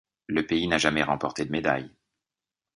Le pays n'a jamais remporté de médaille.